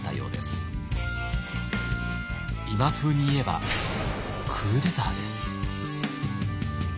今風に言えばクーデターです。